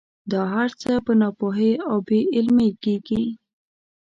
دا هر څه په ناپوهۍ او بې علمۍ کېږي.